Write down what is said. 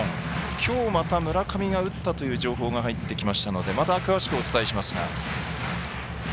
きょうまた村上が打ったという情報が入ってきましたのでまた詳しくお伝えしますが。